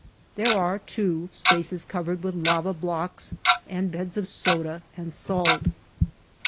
There are, too, spaces covered with lava blocks and beds of soda and salt.